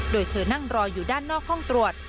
โดยเธอนั่งรออยู่ด้านนอกห้องตรวจ